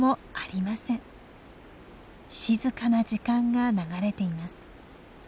静かな時間が流れています。